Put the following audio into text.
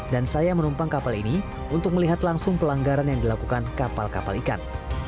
dan saya menumpang kapal ini untuk melihat langsung pelanggaran yang dilakukan kapal kapal ikan